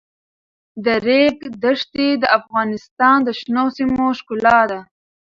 د ریګ دښتې د افغانستان د شنو سیمو ښکلا ده.